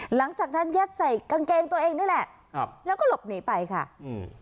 ยัดใส่กางเกงตัวเองนี่แหละครับแล้วก็หลบหนีไปค่ะอืม